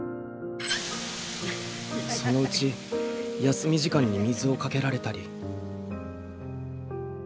そのうち休み時間に水をかけられたり。